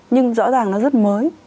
nhưng rõ ràng nó rất mới